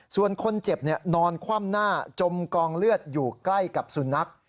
ส่วนคนเจ็บนอนคว่ำหน้าจมกองเลือดอยู่ใกล้กับสุนัข